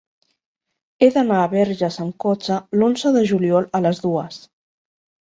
He d'anar a Verges amb cotxe l'onze de juliol a les dues.